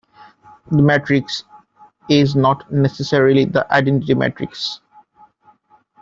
The matrix is "not" necessarily the identity matrix.